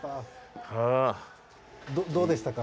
どうでしたか？